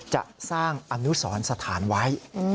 จะสร้างอนุสรสถานไว้